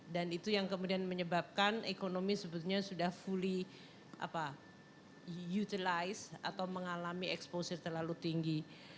dan itu yang kemudian menyebabkan ekonomi sebetulnya sudah fully utilized atau mengalami exposure terlalu tinggi